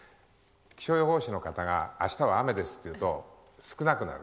気象予報士の方があしたは雨ですって言うと少なくなる。